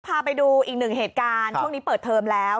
พาไปดูอีกหนึ่งเหตุการณ์ช่วงนี้เปิดเทอมแล้ว